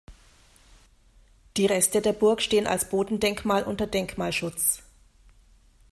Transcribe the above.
Die Reste der Burg stehen als Bodendenkmal unter Denkmalschutz.